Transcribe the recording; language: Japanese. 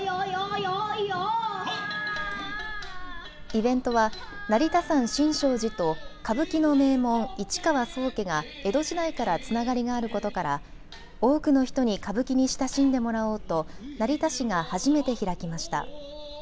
イベントは成田山新勝寺と歌舞伎の名門、市川宗家が江戸時代からつながりがあることから多くの人に歌舞伎に親しんでもらおうと成田市が初めて開きました。